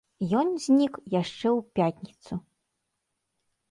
Ён знік яшчэ ў пятніцу.